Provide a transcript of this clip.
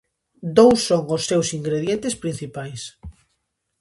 Dous son os seus ingredientes principais.